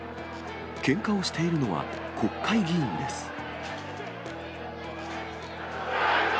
けんかをしているのは国会議員です。